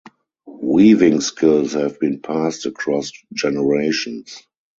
Weaving skills have been passed across generations.